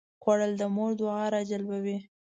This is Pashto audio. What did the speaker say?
خوړل د مور دعاوې راجلبوي